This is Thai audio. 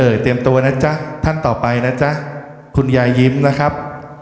เตรียมตัวนะจ๊ะท่านต่อไปนะจ๊ะคุณยายยิ้มนะครับ